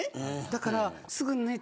だから。